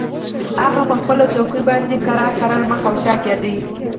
هغه په خپله څوکۍ باندې ورو ورو مخ او شا کیده